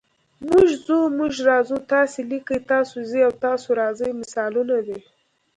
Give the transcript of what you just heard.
موږ ځو، موږ راځو، تاسې لیکئ، تاسو ځئ او تاسو راځئ مثالونه دي.